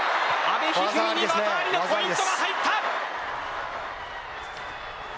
阿部一二三に技ありのポイントが入った。